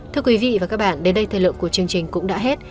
thưa quý vị và các bạn đến đây thời lượng của chương trình cũng đã hết